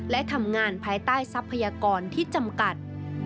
และทำงานภายใต้ทรัพยากรที่จำกัด